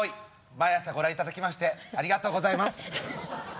毎朝ご覧頂きましてありがとうございます！